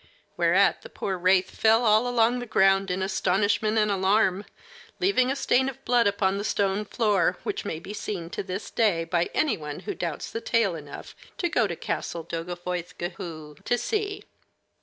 Whereat the poor wraith fell all along the ground in astonishment and alarm, leaving a stain of blood upon the stone floor, which may be seen to this day by any one who doubts the tale enough to go to Castle Doddyfoethghw to see.